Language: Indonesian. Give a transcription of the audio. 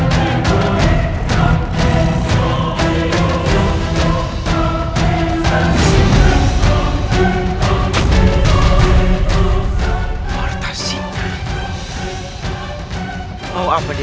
bekerja dengan muhammad